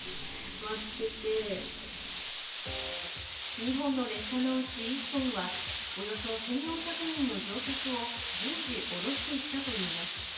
日本の列車のうち１本は、およそ１４００人の乗客を順次、降ろしていたといいます。